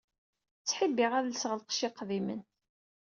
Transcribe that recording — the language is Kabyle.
Ttḥibbiɣ ad lseɣ lqecc iqdimen.